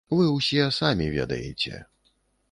Вы ўсе самі ведаеце.